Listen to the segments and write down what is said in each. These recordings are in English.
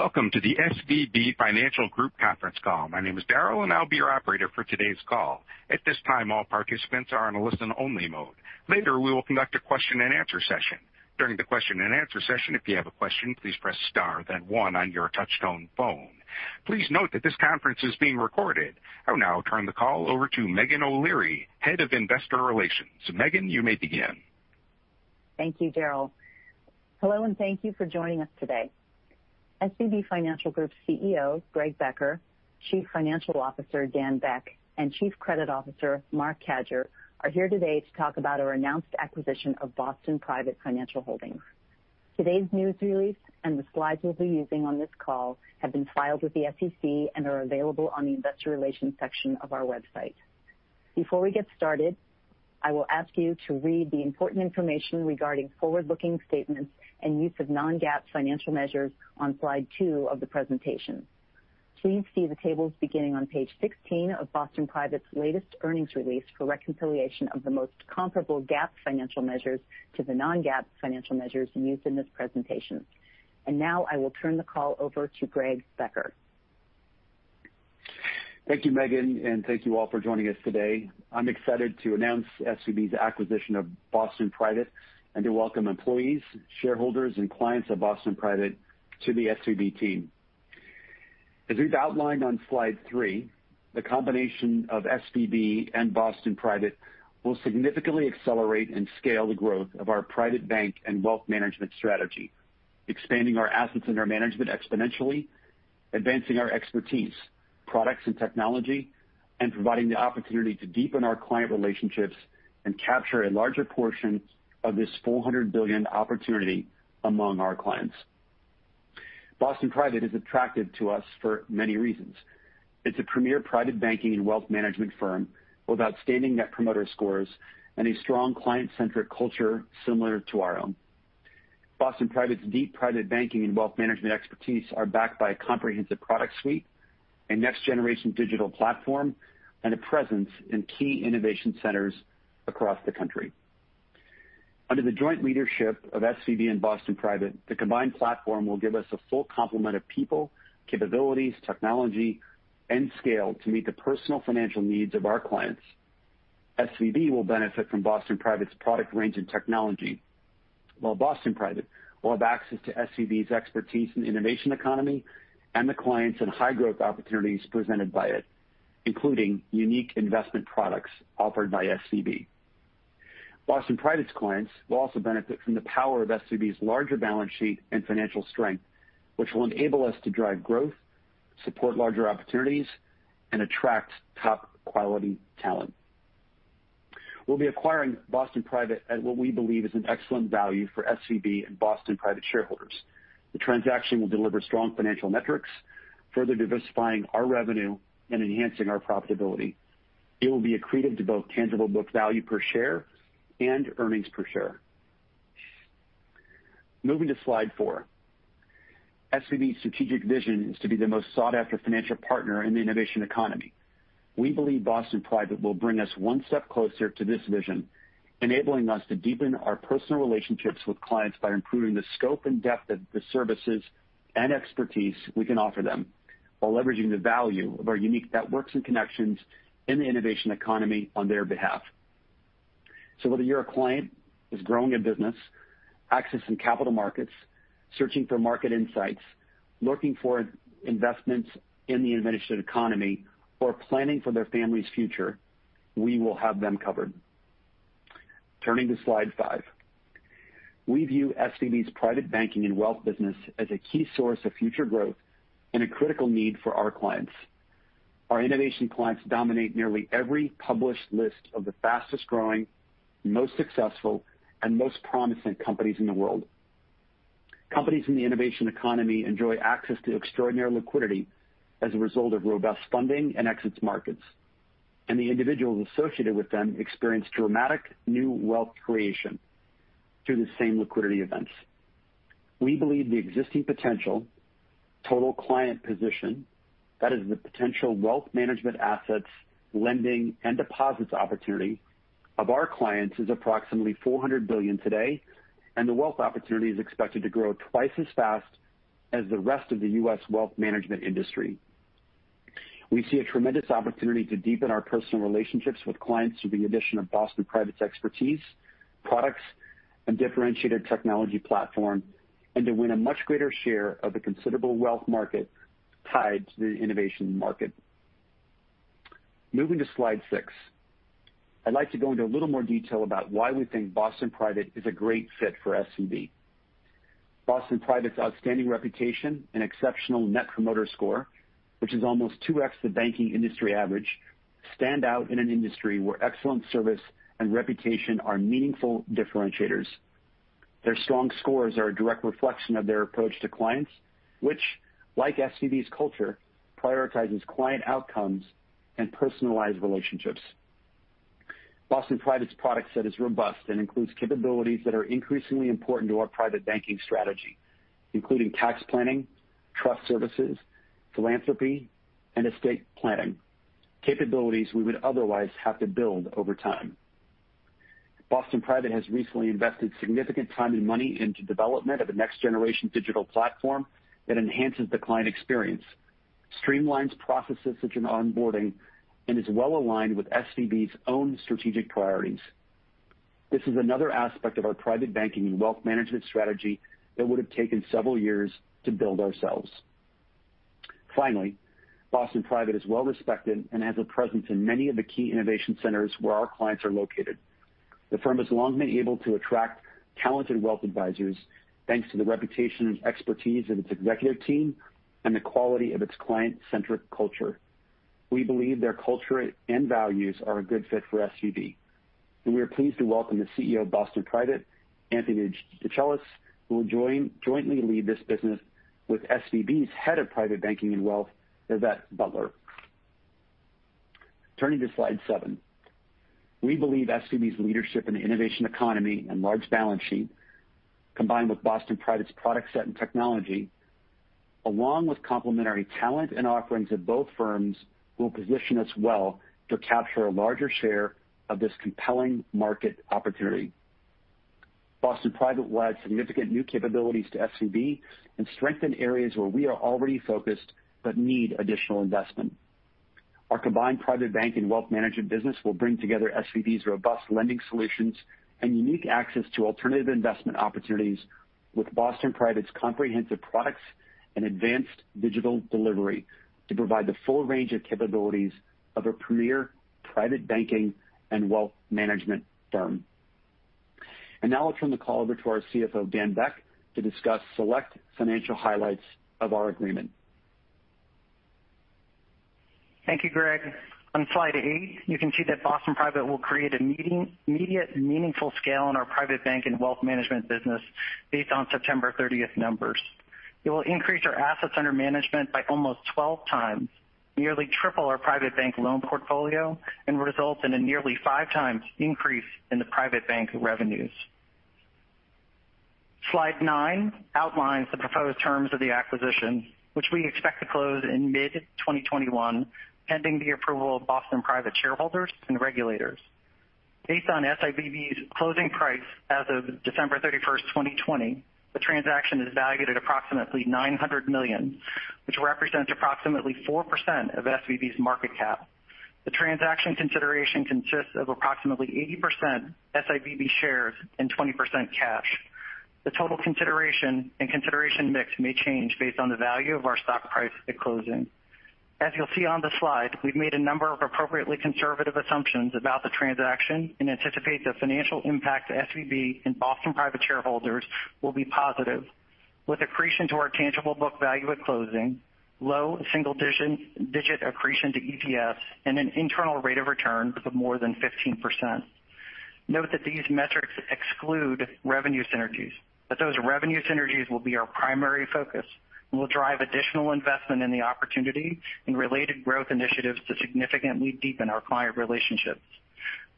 Welcome to the SVB Financial Group conference call. My name is Daryl, and I'll be your operator for today's call. At this time, all participants are on a listen-only mode. Later, we will conduct a question-and-answer session. During the question-and-answer session, if you have a question, please press star then one on your touch-tone phone. Please note that this conference is being recorded. I will now turn the call over to Meghan O'Leary, head of investor relations. Meghan, you may begin. Thank you, Daryl. Hello, and thank you for joining us today. SVB Financial Group's CEO, Greg Becker, Chief Financial Officer, Dan Beck, and Chief Credit Officer, Marc Cadieux, are here today to talk about our announced acquisition of Boston Private Financial Holdings. Today's news release and the slides we'll be using on this call have been filed with the SEC and are available on the investor relations section of our website. Before we get started, I will ask you to read the important information regarding forward-looking statements and use of non-GAAP financial measures on slide two of the presentation. Please see the tables beginning on page 16 of Boston Private's latest earnings release for reconciliation of the most comparable GAAP financial measures to the non-GAAP financial measures used in this presentation. Now I will turn the call over to Greg Becker. Thank you, Meghan, and thank you all for joining us today. I'm excited to announce SVB's acquisition of Boston Private and to welcome employees, shareholders, and clients of Boston Private to the SVB team. As we've outlined on slide three, the combination of SVB and Boston Private will significantly accelerate and scale the growth of our private bank and wealth management strategy, expanding our assets under management exponentially, advancing our expertise, products, and technology, and providing the opportunity to deepen our client relationships and capture a larger portion of this $400 billion opportunity among our clients. Boston Private is attractive to us for many reasons. It's a premier private banking and wealth management firm with outstanding Net Promoter Scores and a strong client-centric culture similar to our own. Boston Private's deep private banking and wealth management expertise are backed by a comprehensive product suite, a next-generation digital platform, and a presence in key innovation centers across the country. Under the joint leadership of SVB and Boston Private, the combined platform will give us a full complement of people, capabilities, technology, and scale to meet the personal financial needs of our clients. SVB will benefit from Boston Private's product range and technology, while Boston Private will have access to SVB's expertise in the innovation economy and the clients and high-growth opportunities presented by it, including unique investment products offered by SVB. Boston Private's clients will also benefit from the power of SVB's larger balance sheet and financial strength, which will enable us to drive growth, support larger opportunities, and attract top-quality talent. We'll be acquiring Boston Private at what we believe is an excellent value for SVB and Boston Private shareholders. The transaction will deliver strong financial metrics, further diversifying our revenue and enhancing our profitability. It will be accretive to both tangible book value per share and earnings per share. Moving to slide four. SVB's strategic vision is to be the most sought-after financial partner in the innovation economy. We believe Boston Private will bring us one step closer to this vision, enabling us to deepen our personal relationships with clients by improving the scope and depth of the services and expertise we can offer them while leveraging the value of our unique networks and connections in the innovation economy on their behalf. Whether you're a client who's growing a business, accessing capital markets, searching for market insights, looking for investments in the innovation economy, or planning for their family's future, we will have them covered. Turning to slide five. We view SVB's private banking and wealth business as a key source of future growth and a critical need for our clients. Our innovation clients dominate nearly every published list of the fastest-growing, most successful, and most promising companies in the world. Companies in the innovation economy enjoy access to extraordinary liquidity as a result of robust funding and exits markets. The individuals associated with them experience dramatic new wealth creation through the same liquidity events. We believe the existing potential total client position, that is the potential wealth management assets, lending, and deposits opportunity of our clients, is approximately $400 billion today. The wealth opportunity is expected to grow twice as fast as the rest of the U.S. wealth management industry. We see a tremendous opportunity to deepen our personal relationships with clients through the addition of Boston Private's expertise, products, and differentiated technology platform, and to win a much greater share of the considerable wealth market tied to the innovation market. Moving to slide six. I'd like to go into a little more detail about why we think Boston Private is a great fit for SVB. Boston Private's outstanding reputation and exceptional Net Promoter Score, which is almost 2x the banking industry average, stand out in an industry where excellent service and reputation are meaningful differentiators. Their strong scores are a direct reflection of their approach to clients, which, like SVB's culture, prioritizes client outcomes and personalized relationships. Boston Private's product set is robust and includes capabilities that are increasingly important to our private banking strategy, including tax planning, trust services, philanthropy, and estate planning, capabilities we would otherwise have to build over time. Boston Private has recently invested significant time and money into development of a next generation digital platform that enhances the client experience, streamlines processes such as onboarding, and is well-aligned with SVB's own strategic priorities. This is another aspect of our private banking and wealth management strategy that would've taken several years to build ourselves. Boston Private is well-respected and has a presence in many of the key innovation centers where our clients are located. The firm has long been able to attract talented wealth advisors thanks to the reputation and expertise of its executive team and the quality of its client-centric culture. We believe their culture and values are a good fit for SVB, we are pleased to welcome the CEO of Boston Private, Anthony DeChellis, who will jointly lead this business with SVB's head of private banking and wealth, Yvette Butler. Turning to slide seven. We believe SVB's leadership in the innovation economy and large balance sheet, combined with Boston Private's product set and technology, along with complementary talent and offerings of both firms, will position us well to capture a larger share of this compelling market opportunity. Boston Private will add significant new capabilities to SVB and strengthen areas where we are already focused but need additional investment. Our combined private bank and wealth management business will bring together SVB's robust lending solutions and unique access to alternative investment opportunities with Boston Private's comprehensive products and advanced digital delivery to provide the full range of capabilities of a premier private banking and wealth management firm. Now I'll turn the call over to our CFO, Dan Beck, to discuss select financial highlights of our agreement. Thank you, Greg. On slide eight, you can see that Boston Private will create an immediate meaningful scale in our private bank and wealth management business based on September 30th numbers. It will increase our assets under management by almost 12x, nearly 3x our private bank loan portfolio, and result in a nearly 5x increase in the private bank revenues. Slide nine outlines the proposed terms of the acquisition, which we expect to close in mid 2021, pending the approval of Boston Private shareholders and regulators. Based on SIVB's closing price as of December 31st, 2020, the transaction is valued at approximately $900 million, which represents approximately 4% of SVB's market cap. The transaction consideration consists of approximately 80% SIVB shares and 20% cash. The total consideration and consideration mix may change based on the value of our stock price at closing. As you'll see on the slide, we've made a number of appropriately conservative assumptions about the transaction and anticipate the financial impact to SVB and Boston Private shareholders will be positive. With accretion to our tangible book value at closing, low single-digit accretion to EPS, and an internal rate of return of more than 15%. Note that these metrics exclude revenue synergies, but those revenue synergies will be our primary focus and will drive additional investment in the opportunity and related growth initiatives to significantly deepen our client relationships.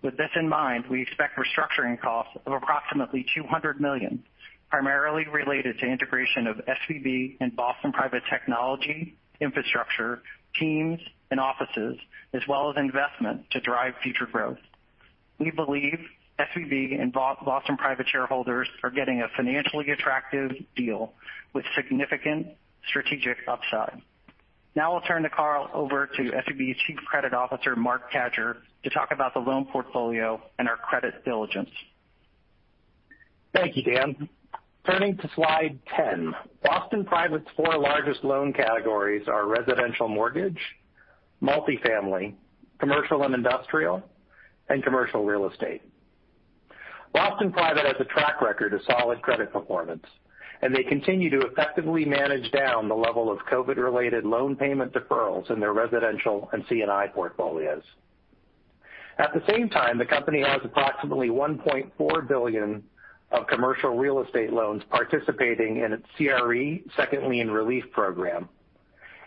With this in mind, we expect restructuring costs of approximately $200 million, primarily related to integration of SVB and Boston Private technology, infrastructure, teams, and offices, as well as investment to drive future growth. We believe SVB and Boston Private shareholders are getting a financially attractive deal with significant strategic upside. Now I'll turn the call over to SVB Chief Credit Officer, Marc Cadieux, to talk about the loan portfolio and our credit diligence. Thank you, Dan. Turning to slide 10. Boston Private's four largest loan categories are residential mortgage, multifamily, commercial and industrial, and commercial real estate. Boston Private has a track record of solid credit performance, and they continue to effectively manage down the level of COVID-related loan payment deferrals in their residential and C&I portfolios. At the same time, the company has approximately $1.4 billion of commercial real estate loans participating in its CRE Second Lien Relief Program,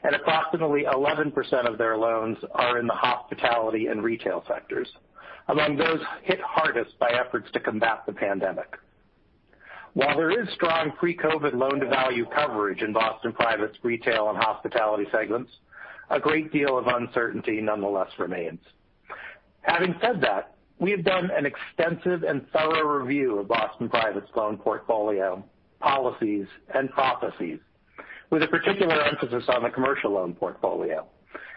and approximately 11% of their loans are in the hospitality and retail sectors, among those hit hardest by efforts to combat the pandemic. While there is strong pre-COVID loan-to-value coverage in Boston Private's retail and hospitality segments, a great deal of uncertainty nonetheless remains. Having said that, we have done an extensive and thorough review of Boston Private's loan portfolio, policies, and processes with a particular emphasis on the commercial loan portfolio,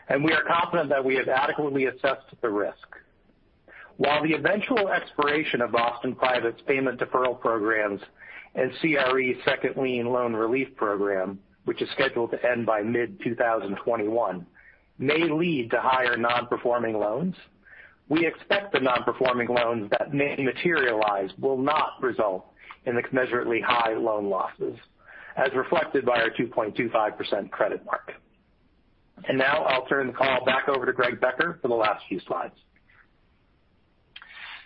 and we are confident that we have adequately assessed the risk. While the eventual expiration of Boston Private's payment deferral programs and CRE Second Lien Loan Relief Program, which is scheduled to end by mid 2021, may lead to higher non-performing loans, we expect the non-performing loans that may materialize will not result in commensurately high loan losses, as reflected by our 2.25% credit mark. Now I'll turn the call back over to Greg Becker for the last few slides.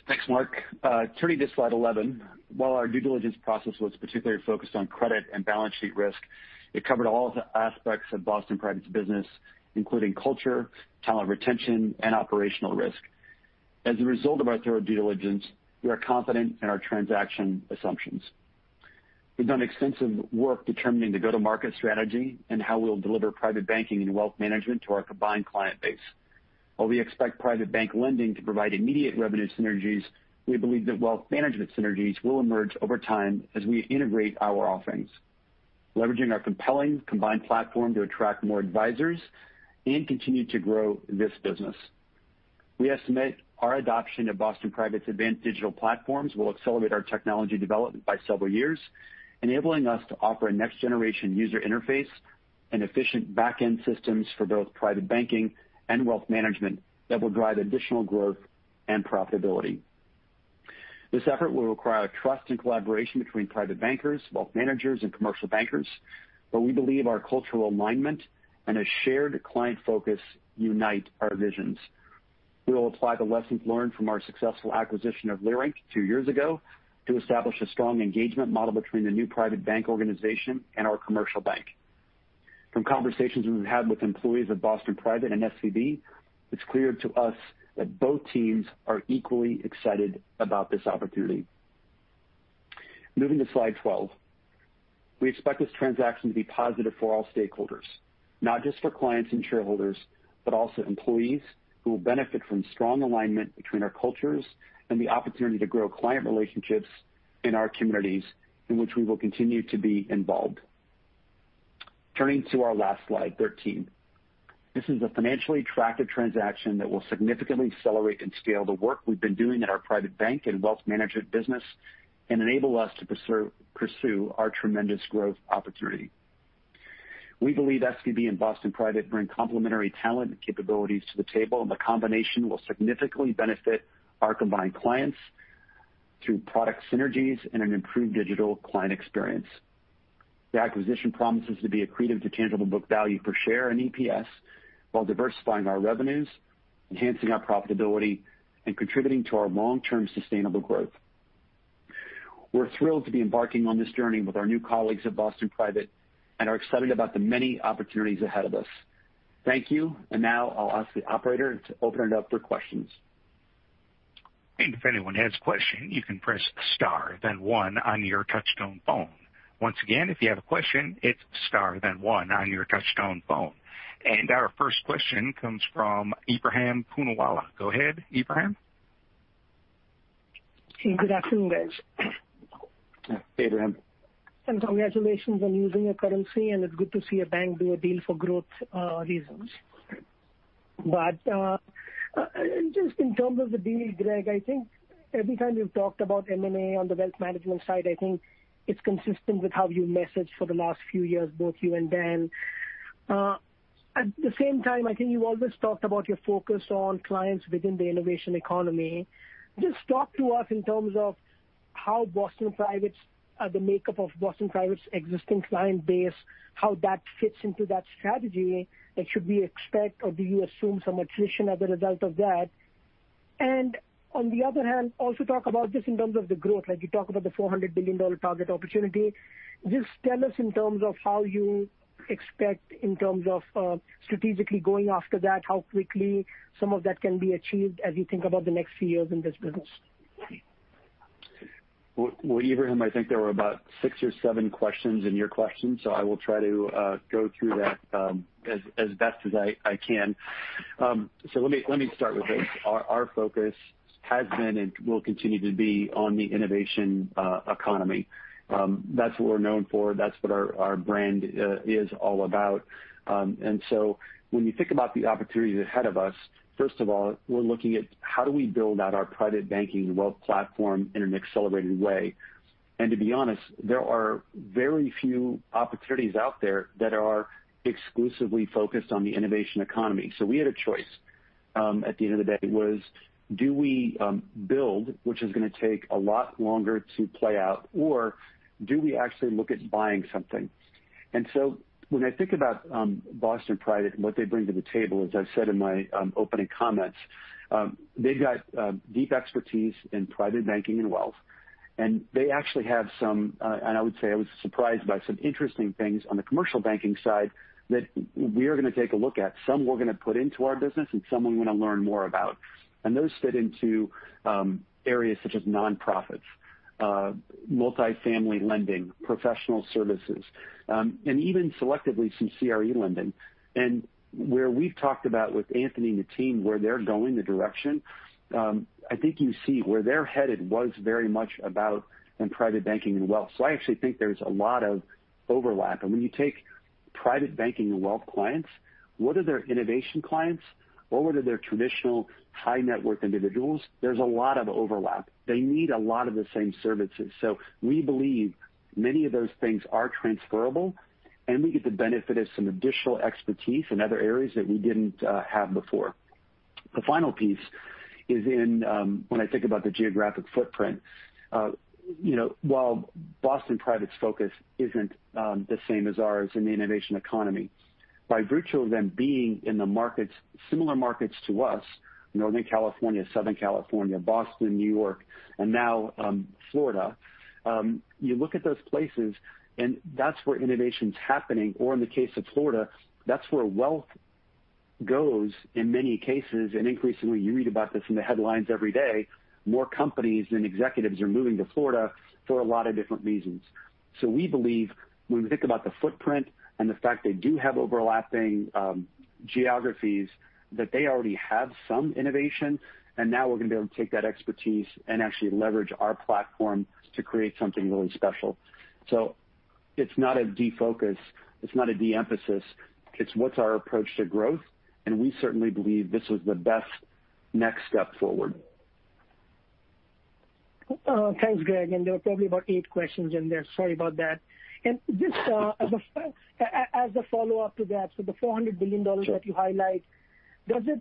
Thanks, Marc. Turning to slide 11. While our due diligence process was particularly focused on credit and balance sheet risk, it covered all aspects of Boston Private's business, including culture, talent retention, and operational risk. As a result of our thorough due diligence, we are confident in our transaction assumptions. We've done extensive work determining the go-to-market strategy and how we'll deliver private banking and wealth management to our combined client base. While we expect private bank lending to provide immediate revenue synergies, we believe that wealth management synergies will emerge over time as we integrate our offerings, leveraging our compelling combined platform to attract more advisors and continue to grow this business. We estimate our adoption of Boston Private's advanced digital platforms will accelerate our technology development by several years, enabling us to offer a next-generation user interface and efficient back-end systems for both private banking and wealth management that will drive additional growth and profitability. This effort will require trust and collaboration between private bankers, wealth managers, and commercial bankers, but we believe our cultural alignment and a shared client focus unite our visions. We will apply the lessons learned from our successful acquisition of Leerink two years ago to establish a strong engagement model between the new private bank organization and our commercial bank. From conversations we've had with employees of Boston Private and SVB, it's clear to us that both teams are equally excited about this opportunity. Moving to slide 12. We expect this transaction to be positive for all stakeholders, not just for clients and shareholders, but also employees who will benefit from strong alignment between our cultures and the opportunity to grow client relationships in our communities, in which we will continue to be involved. Turning to our last slide, 13. This is a financially attractive transaction that will significantly accelerate and scale the work we've been doing at our private bank and wealth management business and enable us to pursue our tremendous growth opportunity. We believe SVB and Boston Private bring complementary talent and capabilities to the table, and the combination will significantly benefit our combined clients through product synergies and an improved digital client experience. The acquisition promises to be accretive to tangible book value per share and EPS while diversifying our revenues, enhancing our profitability, and contributing to our long-term sustainable growth. We're thrilled to be embarking on this journey with our new colleagues at Boston Private and are excited about the many opportunities ahead of us. Thank you. Now I'll ask the operator to open it up for questions. If anyone has a question, you can press star then one on your touchtone phone. Once again, if you have a question, it's star then one on your touchtone phone. Our first question comes from Ebrahim Poonawala. Go ahead, Ebrahim. Good afternoon, guys. Hey, Ebrahim. Congratulations on using your currency, and it's good to see a bank do a deal for growth reasons. Just in terms of the deal, Greg, I think every time you've talked about M&A on the wealth management side, I think it's consistent with how you messaged for the last few years, both you and Dan. At the same time, I think you always talked about your focus on clients within the innovation economy. Just talk to us in terms of how Boston Private's, or the makeup of Boston Private's existing client base, how that fits into that strategy, and should we expect or do you assume some attrition as a result of that? On the other hand, also talk about just in terms of the growth. You talk about the $400 billion target opportunity. Just tell us in terms of how you expect in terms of strategically going after that, how quickly some of that can be achieved as you think about the next few years in this business. Well, Ebrahim, I think there were about six or seven questions in your question, I will try to go through that as best as I can. Let me start with this. Our focus has been and will continue to be on the innovation economy. That's what we're known for. That's what our brand is all about. When you think about the opportunities ahead of us, first of all, we're looking at how do we build out our private banking and wealth platform in an accelerated way. To be honest, there are very few opportunities out there that are exclusively focused on the innovation economy. We had a choice, at the end of the day was do we build, which is going to take a lot longer to play out, or do we actually look at buying something? When I think about Boston Private and what they bring to the table, as I've said in my opening comments, they've got deep expertise in private banking and wealth, and they actually have some and I would say I was surprised by some interesting things on the commercial banking side that we're going to take a look at. Some we're going to put into our business and some we want to learn more about. Those fit into areas such as nonprofits, multifamily lending, professional services, and even selectively some CRE lending. Where we've talked about with Anthony and the team, where they're going, the direction, I think you see where they're headed was very much about in private banking and wealth. I actually think there's a lot of overlap. When you take private banking and wealth clients, what are their innovation clients or what are their traditional high-net-worth individuals? There's a lot of overlap. They need a lot of the same services. We believe many of those things are transferable, and we get the benefit of some additional expertise in other areas that we didn't have before. The final piece is in when I think about the geographic footprint. While Boston Private's focus isn't the same as ours in the innovation economy, by virtue of them being in the markets, similar markets to us, Northern California, Southern California, Boston, New York, and now Florida. You look at those places, and that's where innovation's happening. In the case of Florida, that's where wealth- goes in many cases, and increasingly you read about this in the headlines every day, more companies than executives are moving to Florida for a lot of different reasons. We believe when we think about the footprint and the fact they do have overlapping geographies, that they already have some innovation, and now we're going to be able to take that expertise and actually leverage our platform to create something really special. It's not a de-focus, it's not a de-emphasis. It's what's our approach to growth, and we certainly believe this is the best next step forward. Thanks, Greg. There were probably about eight questions in there. Sorry about that. Just as a follow-up to that, the $400 billion that you highlight, does it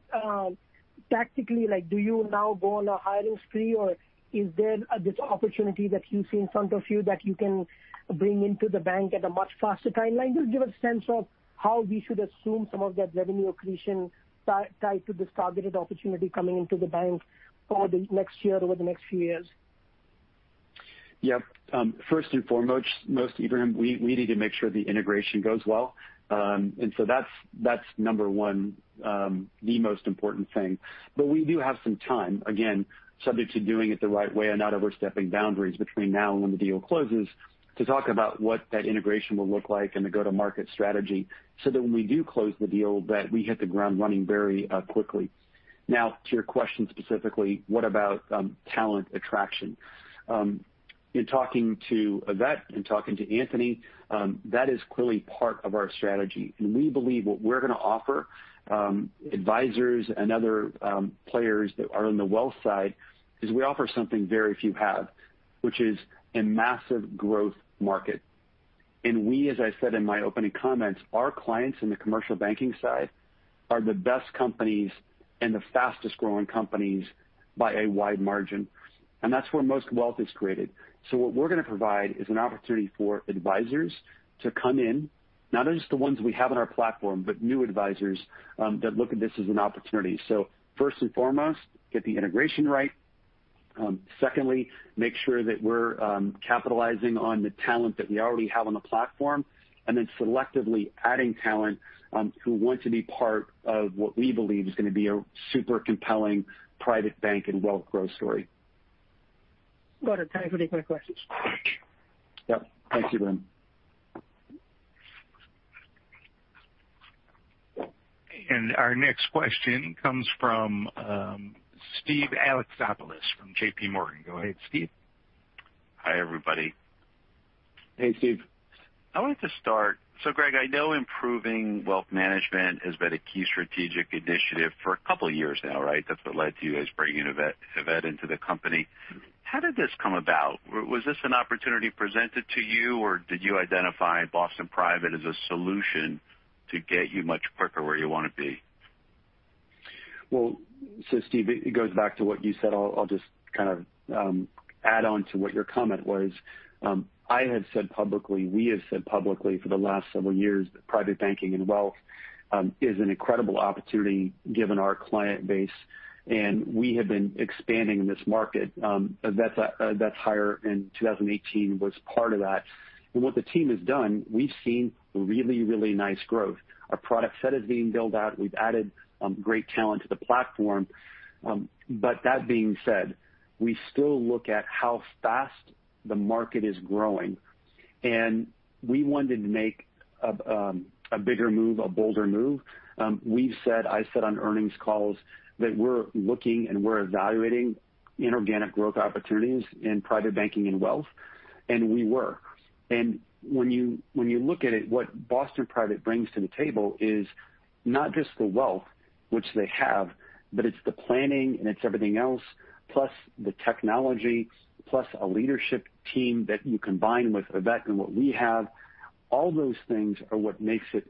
tactically like do you now go on a hiring spree, or is there this opportunity that you see in front of you that you can bring into the bank at a much faster timeline? Just give a sense of how we should assume some of that revenue accretion tied to this targeted opportunity coming into the bank for the next year, over the next few years. Yep. First and foremost, Ebrahim, we need to make sure the integration goes well. That's number one the most important thing. We do have some time, again, subject to doing it the right way and not overstepping boundaries between now and when the deal closes to talk about what that integration will look like and the go-to-market strategy so that when we do close the deal, that we hit the ground running very quickly. Now, to your question specifically, what about talent attraction? In talking to Yvette and talking to Anthony, that is clearly part of our strategy. We believe what we're going to offer advisors and other players that are on the wealth side is we offer something very few have, which is a massive growth market. We, as I said in my opening comments, our clients in the commercial banking side are the best companies and the fastest-growing companies by a wide margin, and that's where most wealth is created. What we're going to provide is an opportunity for advisors to come in, not just the ones we have on our platform, but new advisors that look at this as an opportunity. First and foremost, get the integration right. Secondly, make sure that we're capitalizing on the talent that we already have on the platform, and then selectively adding talent who want to be part of what we believe is going to be a super compelling private bank and wealth growth story. Got it. Thank you for taking my questions. Yep. Thank you, Ebrahim. Our next question comes from Steve Alexopoulos from JPMorgan. Go ahead, Steve. Hi, everybody. Hey, Steve. I wanted to start. Greg, I know improving wealth management has been a key strategic initiative for a couple of years now, right? That's what led to you guys bringing Yvette into the company. How did this come about? Was this an opportunity presented to you, or did you identify Boston Private as a solution to get you much quicker where you want to be? Steve, it goes back to what you said. I'll just kind of add on to what your comment was. I had said publicly, we have said publicly for the last several years that private banking and wealth is an incredible opportunity given our client base, and we have been expanding in this market. That's higher in 2018 was part of that. What the team has done, we've seen really nice growth. Our product set is being built out. We've added great talent to the platform. That being said, we still look at how fast the market is growing, and we wanted to make a bigger move, a bolder move. We've said, I said on earnings calls that we're looking and we're evaluating inorganic growth opportunities in private banking and wealth, and we were. When you look at it, what Boston Private brings to the table is not just the wealth which they have, but it's the planning and it's everything else, plus the technology, plus a leadership team that you combine with Yvette and what we have. All those things are what makes it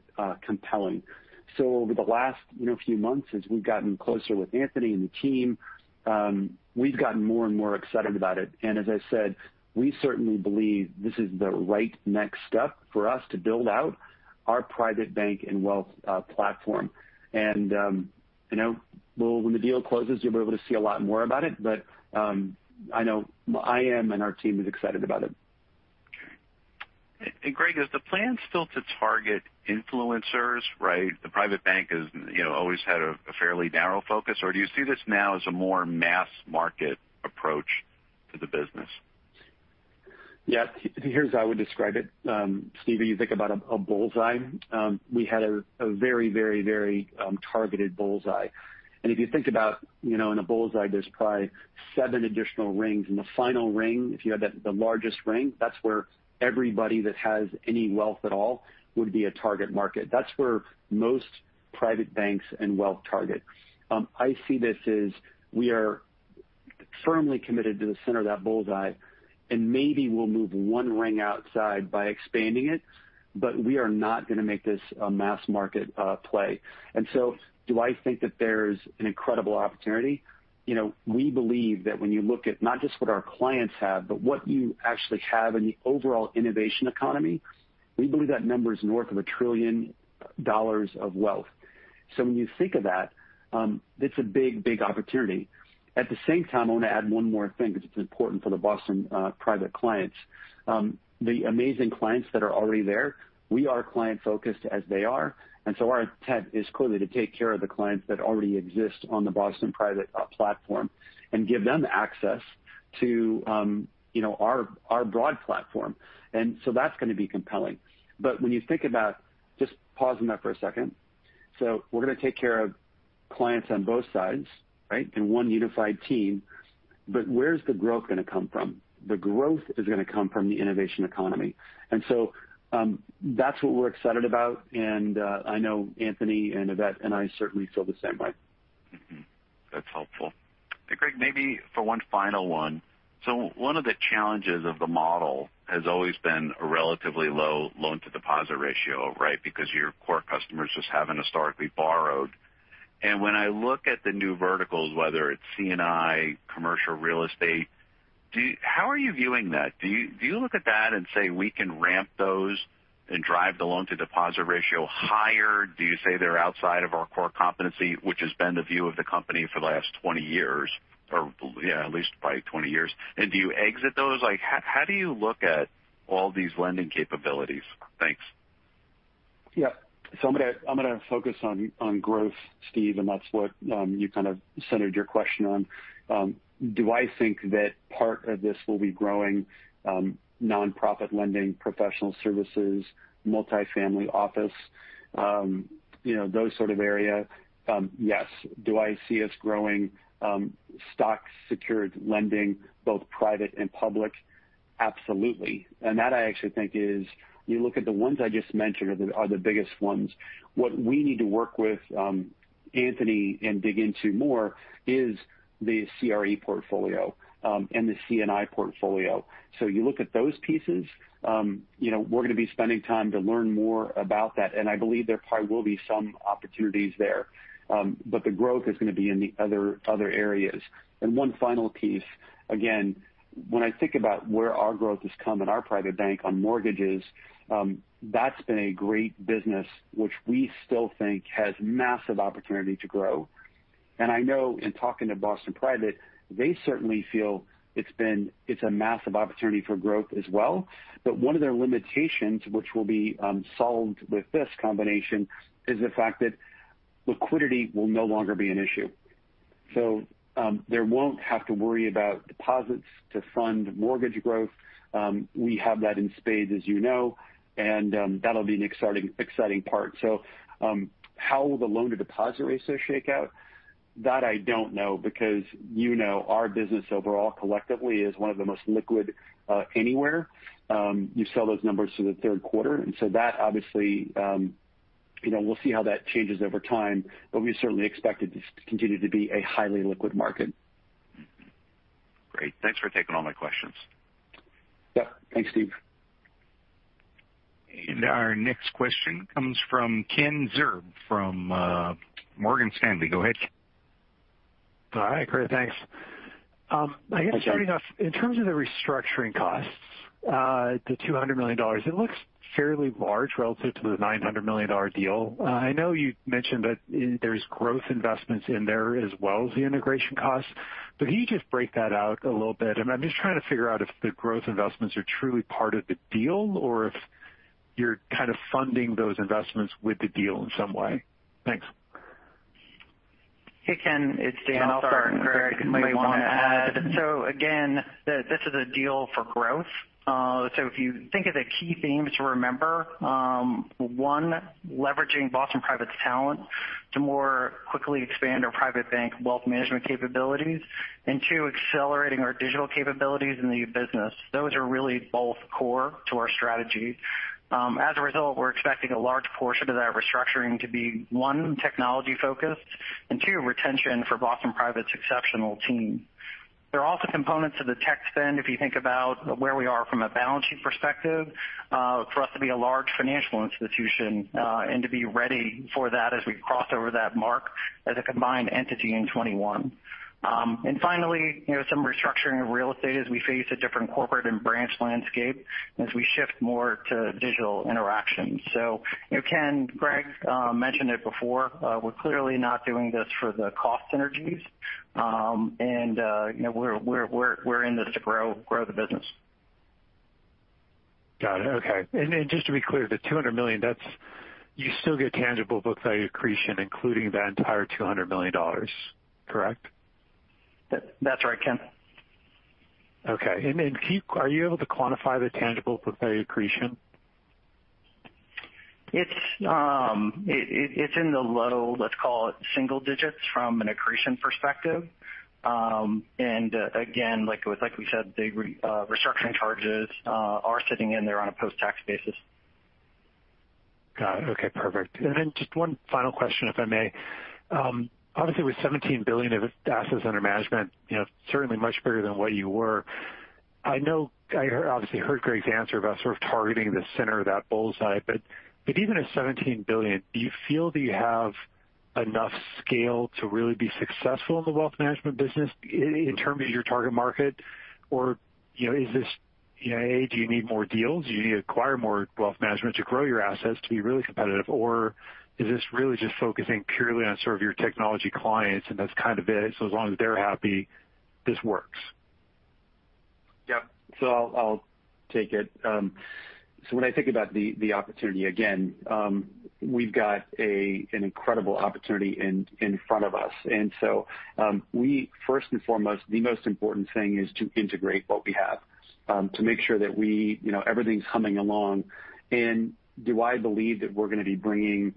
compelling. Over the last few months, as we've gotten closer with Anthony and the team, we've gotten more and more excited about it. As I said, we certainly believe this is the right next step for us to build out our private bank and wealth platform. When the deal closes, you'll be able to see a lot more about it. I know I am and our team is excited about it. Okay. Greg, is the plan still to target influencers, right? The private bank has always had a fairly narrow focus. Or do you see this now as a more mass market approach to the business? Yeah. Here's how I would describe it. Steve, you think about a bullseye. We had a very targeted bullseye. If you think about in a bullseye, there's probably seven additional rings, and the final ring, if you had the largest ring, that's where everybody that has any wealth at all would be a target market. That's where most private banks and wealth target. I see this as we are firmly committed to the center of that bullseye, and maybe we'll move one ring outside by expanding it, but we are not going to make this a mass market play. Do I think that there's an incredible opportunity? We believe that when you look at not just what our clients have, but what you actually have in the overall innovation economy, we believe that number is north of $1 trillion of wealth. When you think of that, it's a big opportunity. At the same time, I want to add one more thing because it's important for the Boston Private clients. The amazing clients that are already there, we are client-focused as they are. Our intent is clearly to take care of the clients that already exist on the Boston Private platform and give them access to our broad platform. That's going to be compelling. When you think about just pausing that for a second. We're going to take care of clients on both sides in one unified team. Where's the growth going to come from? The growth is going to come from the innovation economy. That's what we're excited about. And I know Anthony and Yvette and I certainly feel the same way. That's helpful. Greg, maybe for one final one. One of the challenges of the model has always been a relatively low loan-to-deposit ratio because your core customers just haven't historically borrowed. When I look at the new verticals, whether it's C&I, commercial real estate, how are you viewing that? Do you look at that and say we can ramp those and drive the loan-to-deposit ratio higher? Do you say they're outside of our core competency, which has been the view of the company for the last 20 years, or at least by 20 years? Do you exit those? How do you look at all these lending capabilities? Thanks. Yeah. I'm going to focus on growth, Steve, and that's what you kind of centered your question on. Do I think that part of this will be growing nonprofit lending, professional services, multifamily office, those sort of area? Yes. Do I see us growing stock-secured lending, both private and public? Absolutely. That I actually think is you look at the ones I just mentioned are the biggest ones. What we need to work with Anthony and dig into more is the CRE portfolio and the C&I portfolio. You look at those pieces, we're going to be spending time to learn more about that. I believe there probably will be some opportunities there. The growth is going to be in the other areas. One final piece, again, when I think about where our growth has come in our private bank on mortgages, that's been a great business, which we still think has massive opportunity to grow. I know in talking to Boston Private, they certainly feel it's a massive opportunity for growth as well. One of their limitations, which will be solved with this combination, is the fact that liquidity will no longer be an issue. They won't have to worry about deposits to fund mortgage growth. We have that in spades, as you know, and that'll be an exciting part. How will the loan-to-deposit ratios shake out? That I don't know because you know our business overall collectively is one of the most liquid anywhere. You saw those numbers for the third quarter, and so that obviously, we'll see how that changes over time, but we certainly expect it to continue to be a highly liquid market. Great. Thanks for taking all my questions. Yeah. Thanks, Steve. Our next question comes from Ken Zerbe from Morgan Stanley. Go ahead. All right. Great. Thanks. I guess starting off, in terms of the restructuring costs, the $200 million, it looks fairly large relative to the $900 million deal. I know you mentioned that there's growth investments in there as well as the integration costs. Can you just break that out a little bit? I'm just trying to figure out if the growth investments are truly part of the deal or if you're kind of funding those investments with the deal in some way. Thanks. Hey, Ken, it's Dan Beck. Greg might want to add. Again, this is a deal for growth. If you think of the key themes to remember, one, leveraging Boston Private's talent to more quickly expand our private bank wealth management capabilities, and two, accelerating our digital capabilities in the business. Those are really both core to our strategy. As a result, we're expecting a large portion of that restructuring to be, one, technology-focused, and two, retention for Boston Private's exceptional team. There are also components of the tech spend, if you think about where we are from a balance sheet perspective, for us to be a large financial institution, and to be ready for that as we cross over that mark as a combined entity in 2021. Finally, some restructuring of real estate as we face a different corporate and branch landscape as we shift more to digital interactions. Ken, Greg mentioned it before. We're clearly not doing this for the cost synergies. We're in this to grow the business. Got it. Okay. Just to be clear, the $200 million, you still get tangible book value accretion, including that entire $200 million, correct? That's right, Ken. Okay. Are you able to quantify the tangible book value accretion? It's in the low, let's call it single digits from an accretion perspective. Again, like we said, the restructuring charges are sitting in there on a post-tax basis. Got it. Okay, perfect. Just one final question, if I may. Obviously, with $17 billion of Assets Under Management, certainly much bigger than what you were. I obviously heard Greg's answer about sort of targeting the center of that bull's eye. Even at $17 billion, do you feel that you have enough scale to really be successful in the wealth management business in terms of your target market? Is this, A, do you need more deals? Do you need to acquire more wealth management to grow your assets to be really competitive? Is this really just focusing purely on sort of your technology clients, and that's kind of it, so as long as they're happy, this works? Yep. I'll take it. When I think about the opportunity, again, we've got an incredible opportunity in front of us. We first and foremost, the most important thing is to integrate what we have, to make sure that everything's humming along. Do I believe that we're going to be bringing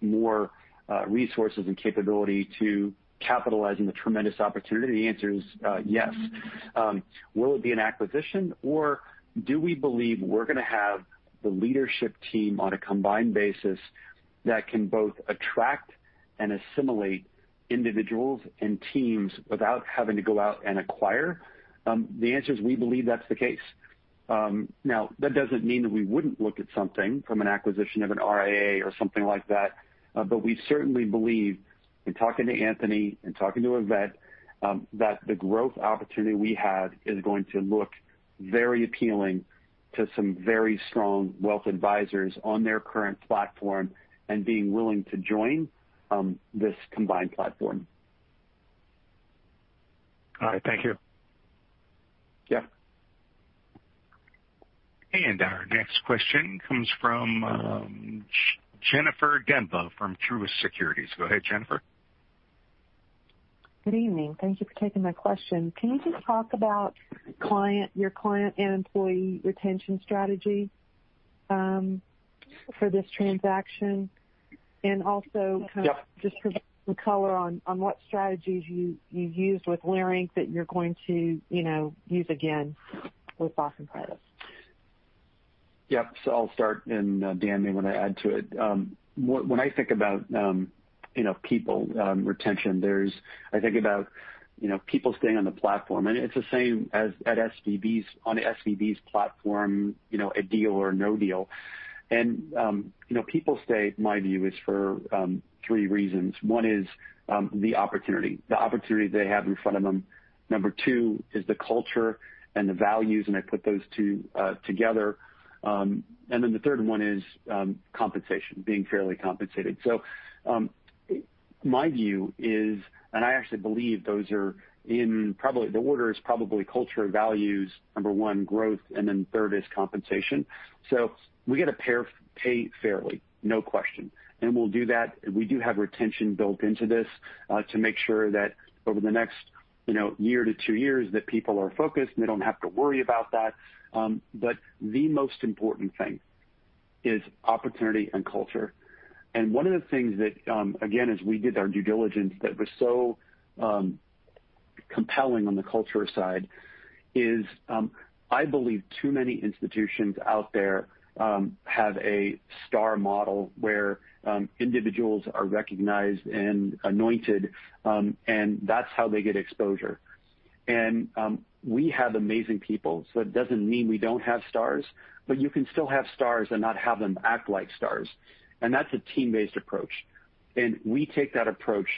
more resources and capability to capitalizing the tremendous opportunity? The answer is yes. Will it be an acquisition, or do we believe we're going to have the leadership team on a combined basis that can both attract and assimilate individuals and teams without having to go out and acquire? The answer is we believe that's the case. That doesn't mean that we wouldn't look at something from an acquisition of an RIA or something like that. We certainly believe, in talking to Anthony, in talking to Yvette, that the growth opportunity we have is going to look very appealing to some very strong wealth advisors on their current platform and being willing to join this combined platform. All right. Thank you. Yeah. Our next question comes from Jennifer Demba from Truist Securities. Go ahead, Jennifer. Good evening. Thank you for taking my question. Can you just talk about your client and employee retention strategy for this transaction? Yeah. Just some color on what strategies you used with Leerink that you're going to use again with Boston Private. Yep. I'll start, and Dan may want to add to it. When I think about people retention, I think about people staying on the platform. It's the same on SVB's platform, a deal or no deal. People stay, my view, is for three reasons. One is the opportunity, the opportunity they have in front of them. Number two is the culture and the values, and I put those two together. The third one is compensation, being fairly compensated. My view is, and I actually believe those are in probably the order is probably culture and values, number one, growth, and then third is compensation. We got to pay fairly, no question. We'll do that. We do have retention built into this to make sure that over the next year to two years that people are focused, and they don't have to worry about that. The most important thing is opportunity and culture. One of the things that, again, as we did our due diligence that was so compelling on the culture side is I believe too many institutions out there have a star model where individuals are recognized and anointed, and that's how they get exposure. We have amazing people. It doesn't mean we don't have stars, but you can still have stars and not have them act like stars. That's a team-based approach. We take that approach.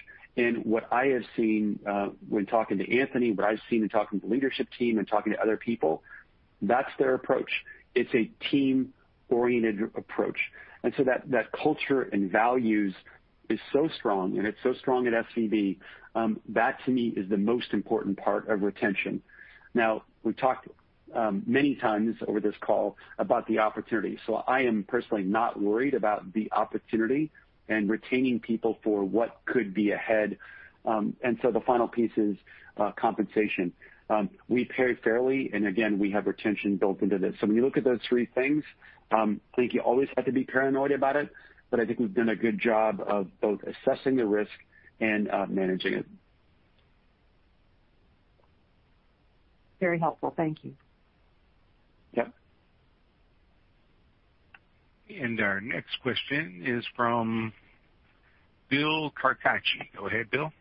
What I have seen when talking to Anthony, what I've seen in talking to the leadership team and talking to other people, that's their approach. It's a team-oriented approach. That culture and values is so strong, and it's so strong at SVB. That, to me, is the most important part of retention. Now, we've talked many times over this call about the opportunity. I am personally not worried about the opportunity and retaining people for what could be ahead. The final piece is compensation. We pay fairly, and again, we have retention built into this. When you look at those three things, I think you always have to be paranoid about it, but I think we've done a good job of both assessing the risk and managing it. Very helpful. Thank you. Yep. Our next question is from Bill Carcache. Go ahead, Bill.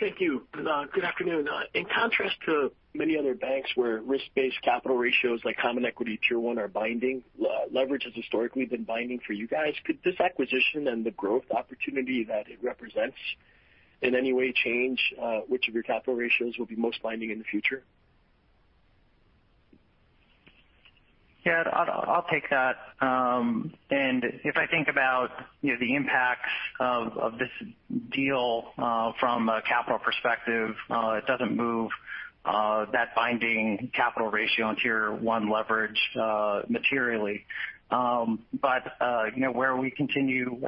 Thank you. Good afternoon. In contrast to many other banks where risk-based capital ratios like Common Equity Tier 1 are binding, leverage has historically been binding for you guys. Could this acquisition and the growth opportunity that it represents in any way change which of your capital ratios will be most binding in the future? Yeah, I'll take that. If I think about the impacts of this deal from a capital perspective, it doesn't move that binding capital ratio on Tier 1 leverage materially. Where we continue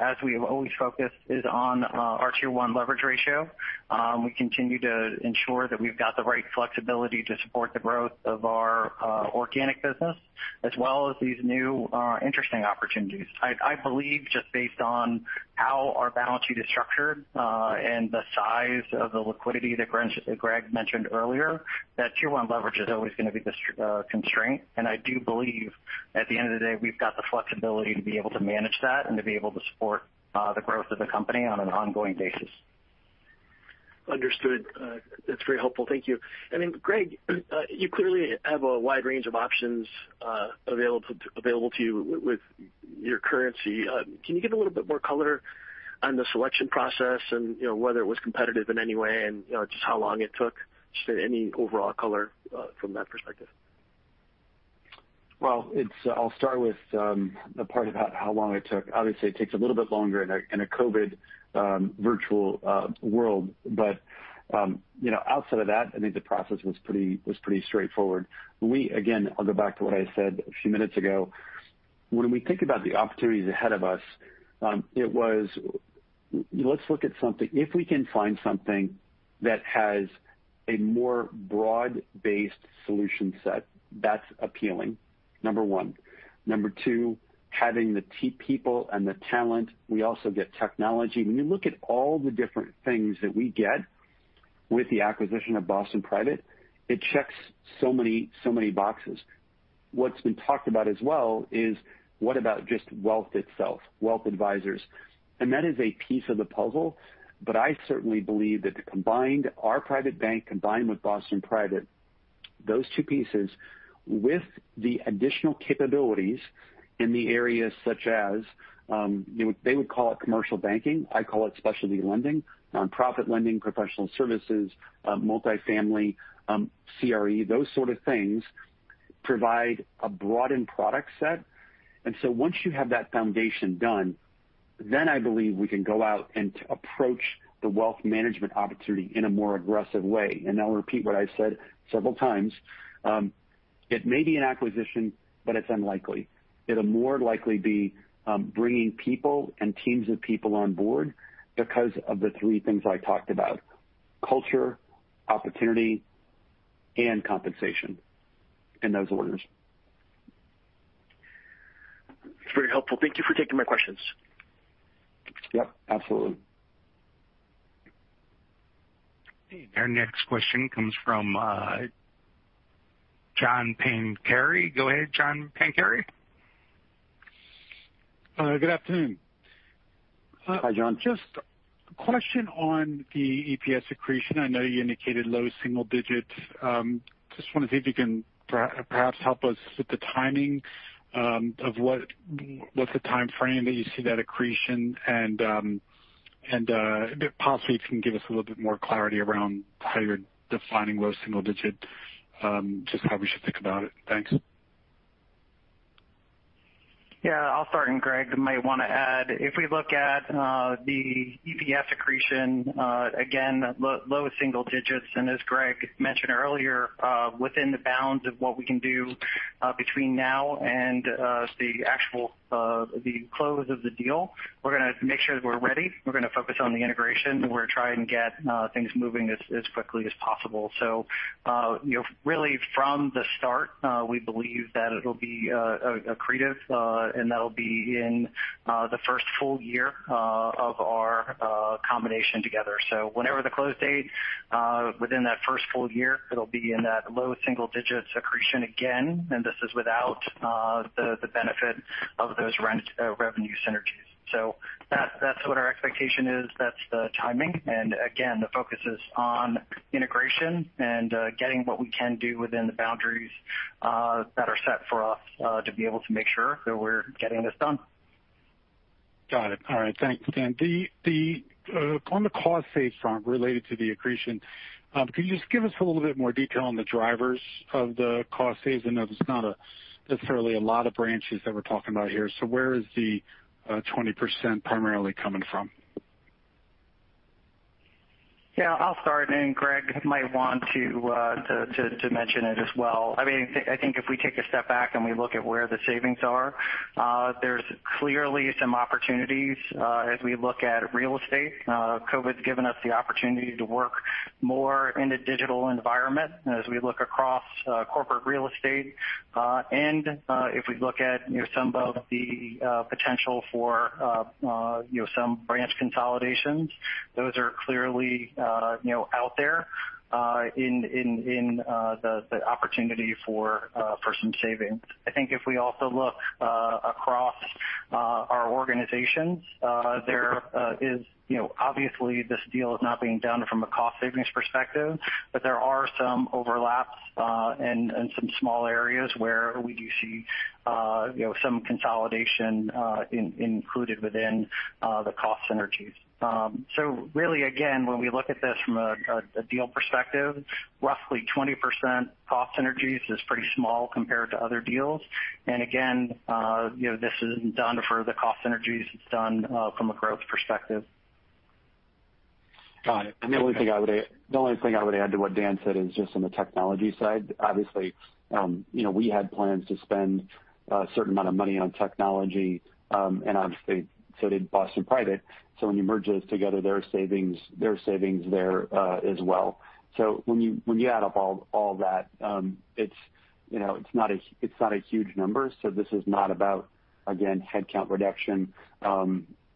as we've always focused is on our Tier 1 leverage ratio. We continue to ensure that we've got the right flexibility to support the growth of our organic business as well as these new interesting opportunities. I believe just based on how our balance sheet is structured and the size of the liquidity that Greg mentioned earlier, that Tier 1 leverage is always going to be the constraint. I do believe at the end of the day, we've got the flexibility to be able to manage that and to be able to support the growth of the company on an ongoing basis. Understood. That's very helpful. Thank you. Greg, you clearly have a wide range of options available to you with your currency. Can you give a little bit more color on the selection process and whether it was competitive in any way and just how long it took? Just any overall color from that perspective. Well, I'll start with the part about how long it took. Obviously, it takes a little bit longer in a COVID virtual world. Outside of that, I think the process was pretty straightforward. Again, I'll go back to what I said a few minutes ago. When we think about the opportunities ahead of us, it was let's look at something. If we can find something that has a more broad-based solution set, that's appealing, number one. Number two, having the people and the talent. We also get technology. When you look at all the different things that we get with the acquisition of Boston Private, it checks so many boxes. What's been talked about as well is what about just wealth itself, wealth advisors? That is a piece of the puzzle, but I certainly believe that our private bank combined with Boston Private, those two pieces with the additional capabilities in the areas such as they would call it commercial banking, I call it specialty lending, nonprofit lending, professional services, multifamily, CRE, those sort of things provide a broadened product set. Once you have that foundation done, then I believe we can go out and approach the wealth management opportunity in a more aggressive way. I'll repeat what I've said several times. It may be an acquisition, but it's unlikely. It'll more likely be bringing people and teams of people on board because of the three things I talked about: culture, opportunity, and compensation, in those orders. It's very helpful. Thank you for taking my questions. Yep, absolutely. Our next question comes from John Pancari. Go ahead, John Pancari. Good afternoon. Hi, John. Just a question on the EPS accretion. I know you indicated low single digits. Just want to see if you can perhaps help us with the timing of what's the timeframe that you see that accretion and if possibly you can give us a little bit more clarity around how you're defining low single digit, just how we should think about it. Thanks. I'll start, and Greg might want to add. If we look at the EPS accretion, again, low single digits, and as Greg mentioned earlier, within the bounds of what we can do between now and the close of the deal. We're going to make sure that we're ready. We're going to focus on the integration. We're going to try and get things moving as quickly as possible. Really from the start, we believe that it'll be accretive, and that'll be in the first full year of our combination together. Whenever the close date within that first full year, it'll be in that low single digit accretion again, and this is without the benefit of those revenue synergies. That's what our expectation is. That's the timing. Again, the focus is on integration and getting what we can do within the boundaries that are set for us to be able to make sure that we're getting this done. Got it. All right. Thanks. On the cost save front related to the accretion, can you just give us a little bit more detail on the drivers of the cost saves? I know there's not necessarily a lot of branches that we're talking about here. Where is the 20% primarily coming from? Yeah, I'll start, and Greg might want to mention it as well. I think if we take a step back and we look at where the savings are, there's clearly some opportunities as we look at real estate. COVID's given us the opportunity to work more in a digital environment as we look across corporate real estate. If we look at some of the potential for some branch consolidations, those are clearly out there in the opportunity for some savings. I think if we also look across our organizations, obviously this deal is not being done from a cost savings perspective, but there are some overlaps in some small areas where we do see some consolidation included within the cost synergies. Really, again, when we look at this from a deal perspective, roughly 20% cost synergies is pretty small compared to other deals. Again this isn't done for the cost synergies. It's done from a growth perspective. Got it. Okay. The only thing I would add to what Dan said is just on the technology side. Obviously we had plans to spend a certain amount of money on technology, and obviously so did Boston Private. When you merge those together, there are savings there as well. When you add up all that, it's not a huge number. This is not about, again, headcount reduction.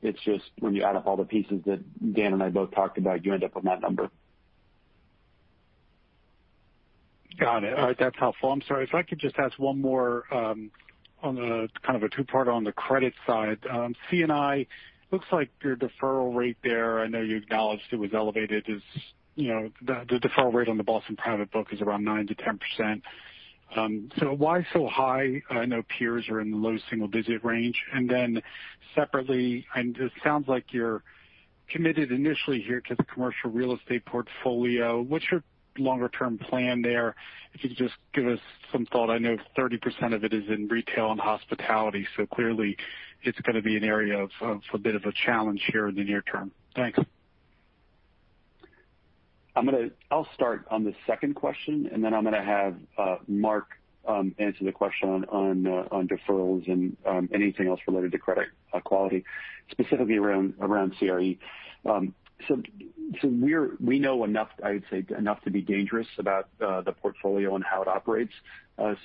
It's just when you add up all the pieces that Dan and I both talked about, you end up with that number. Got it. All right. That's helpful. I'm sorry. If I could just ask one more on a kind of a two-parter on the credit side. C&I looks like your deferral rate there, I know you acknowledged it was elevated, is the deferral rate on the Boston Private book is around 9%-10%. Why so high? I know peers are in the low single-digit range. Separately, this sounds like you're committed initially here to the Commercial Real Estate portfolio. What's your longer-term plan there? If you could just give us some thought. I know 30% of it is in retail and hospitality, clearly it's going to be an area of a bit of a challenge here in the near term. Thanks. I'll start on the second question, and then I'm going to have Marc answer the question on deferrals and anything else related to credit quality, specifically around CRE. We know enough, I would say, to be dangerous about the portfolio and how it operates.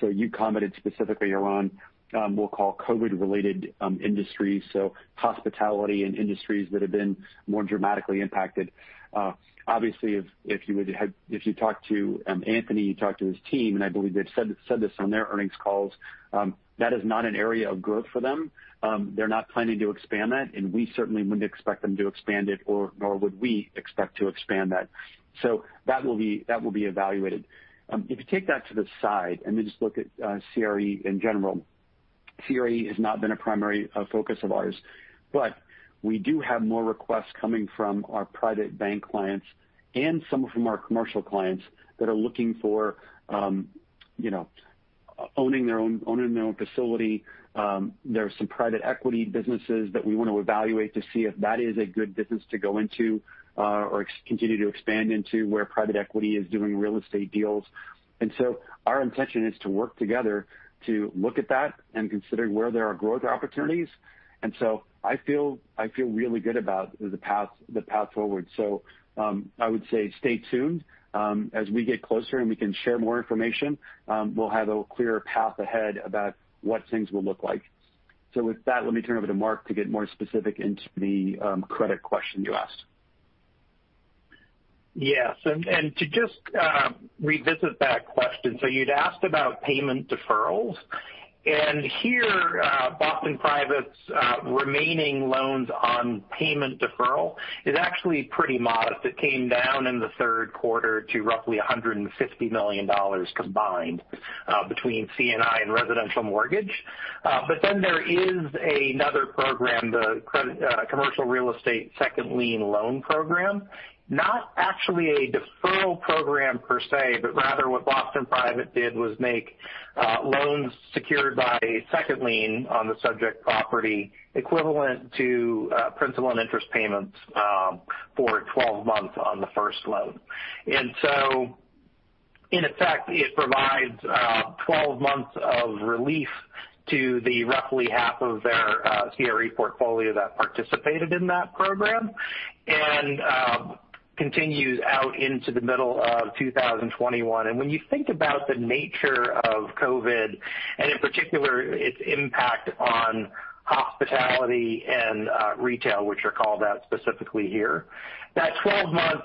You commented specifically around, we'll call COVID-related industries, so hospitality and industries that have been more dramatically impacted. Obviously, if you talk to Anthony, you talk to his team, and I believe they've said this on their earnings calls, that is not an area of growth for them. They're not planning to expand that, and we certainly wouldn't expect them to expand it, nor would we expect to expand that. That will be evaluated. If you take that to the side and then just look at CRE in general, CRE has not been a primary focus of ours, but we do have more requests coming from our private bank clients and some from our commercial clients that are looking for owning their own facility. There are some private equity businesses that we want to evaluate to see if that is a good business to go into or continue to expand into where private equity is doing real estate deals. Our intention is to work together to look at that and consider where there are growth opportunities. I feel really good about the path forward. I would say stay tuned. As we get closer and we can share more information, we'll have a clearer path ahead about what things will look like. With that, let me turn it over to Marc to get more specific into the credit question you asked. Yes. To just revisit that question, you'd asked about payment deferrals, and here, Boston Private's remaining loans on payment deferral is actually pretty modest. It came down in the third quarter to roughly $150 million combined between C&I and residential mortgage. There is another program, the Commercial Real Estate Second Lien Loan program, not actually a deferral program per se, but rather what Boston Private did was make loans secured by second lien on the subject property equivalent to principal and interest payments for 12 months on the first loan. In effect, it provides 12 months of relief to the roughly half of their CRE portfolio that participated in that program and continues out into the middle of 2021. When you think about the nature of COVID, and in particular its impact on hospitality and retail, which are called out specifically here, that 12 months,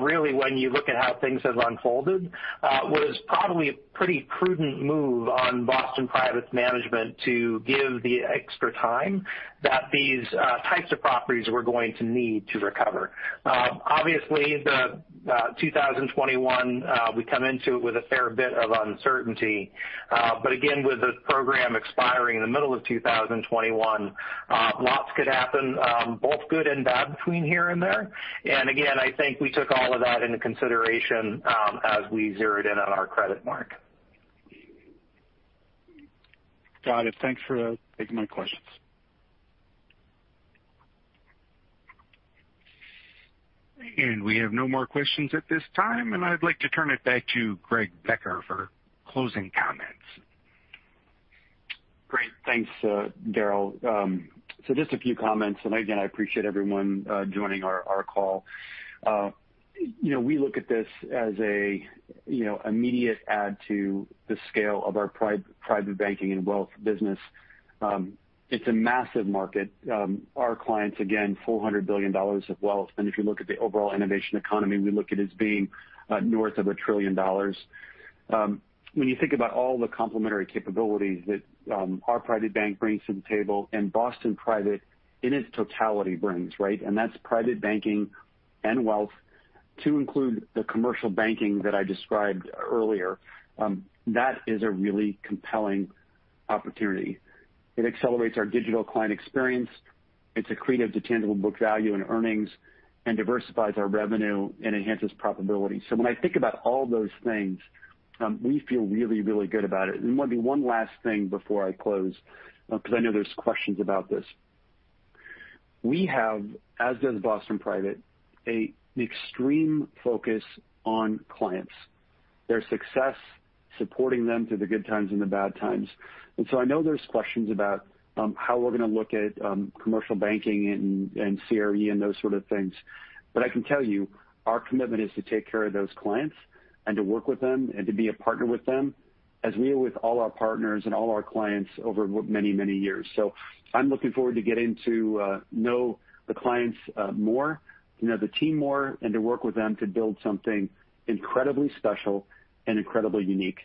really when you look at how things have unfolded, was probably a pretty prudent move on Boston Private's management to give the extra time that these types of properties were going to need to recover. Obviously, the 2021, we come into it with a fair bit of uncertainty. Again, with the program expiring in the middle of 2021, lots could happen, both good and bad between here and there. Again, I think we took all of that into consideration as we zeroed in on our credit mark. Got it. Thanks for taking my questions. We have no more questions at this time, and I'd like to turn it back to Greg Becker for closing comments. Great. Thanks, Daryl. Just a few comments. Again, I appreciate everyone joining our call. We look at this as an immediate add to the scale of our private banking and wealth business. It's a massive market. Our clients, again, $400 billion of wealth. If you look at the overall innovation economy, we look at as being north of $1 trillion dollars. When you think about all the complementary capabilities that our private bank brings to the table and Boston Private in its totality brings, right? That's private banking and wealth to include the commercial banking that I described earlier. That is a really compelling opportunity. It accelerates our digital client experience. It's accretive to tangible book value and earnings and diversifies our revenue and enhances profitability. When I think about all those things, we feel really, really good about it. Maybe one last thing before I close, because I know there's questions about this. We have, as does Boston Private, an extreme focus on clients, their success, supporting them through the good times and the bad times. I know there's questions about how we're going to look at commercial banking and CRE and those sort of things. I can tell you our commitment is to take care of those clients and to work with them and to be a partner with them, as we are with all our partners and all our clients over many, many years. I'm looking forward to getting to know the clients more, to know the team more, and to work with them to build something incredibly special and incredibly unique.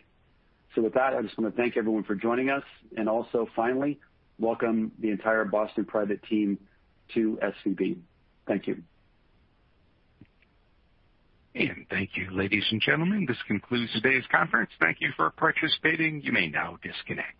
With that, I just want to thank everyone for joining us and also finally welcome the entire Boston Private team to SVB. Thank you. Thank you, ladies and gentlemen. This concludes today's conference. Thank you for participating. You may now disconnect.